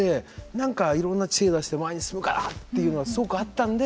何かいろんな知恵を出して前に進むからというのはすごくあったので。